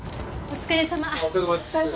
お疲れさまです。